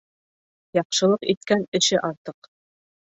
Яҡшылыҡ иткән эше артыҡ.